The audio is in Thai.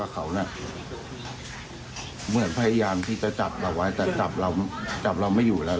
จะจับเราไว้แต่จับเราไม่อยู่แล้ว